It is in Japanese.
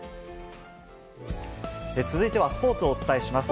続いてはスポーツをお伝えします。